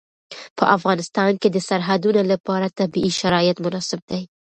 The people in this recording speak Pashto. په افغانستان کې د سرحدونه لپاره طبیعي شرایط مناسب دي.